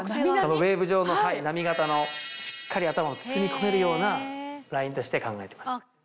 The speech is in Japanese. ウエーブ状の波形のしっかり頭を包み込めるようなラインとして考えてます。